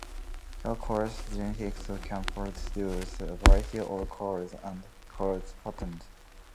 Cat coat genetics can produce a variety of colors and coat patterns.